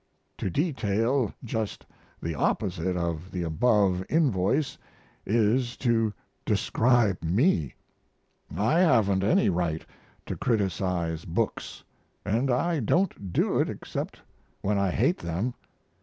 To detail just the opposite of the above invoice is to describe me. I haven't any right to criticize books, & I don't do it except when I hate them.